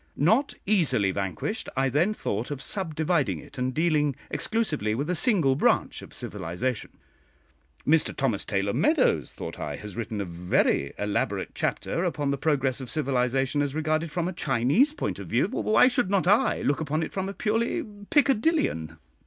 Not easily vanquished, I then thought of subdividing it, and dealing exclusively with a single branch of civilisation. Mr Thomas Taylor Meadows, thought I, has written a very elaborate chapter upon the progress of civilisation as regarded from a Chinese point of view, why should not I look upon it from a purely Piccadillean?